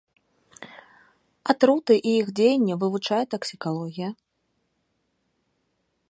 Атруты і іх дзеянне вывучае таксікалогія.